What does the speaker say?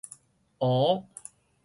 胡